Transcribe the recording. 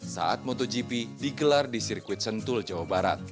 saat motogp digelar di sirkuit sentul jawa barat